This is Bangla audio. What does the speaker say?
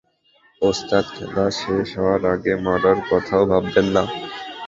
ওস্তাদ, খেলা শেষ হওয়ার আগে মরার কথাও ভাববেন না।